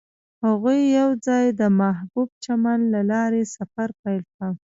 هغوی یوځای د محبوب چمن له لارې سفر پیل کړ.